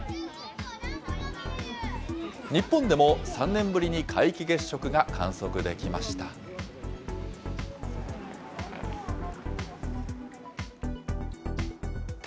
日本でも３年ぶりに皆既月食が観測できました。